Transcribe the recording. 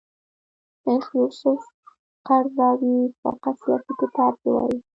شیخ یوسف قرضاوي فقه سیاسي کتاب کې وايي